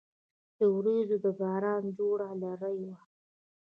له وریځو د باران جوړه لړۍ وه